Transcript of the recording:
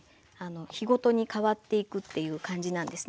日ごとに変わっていくっていう感じなんですね。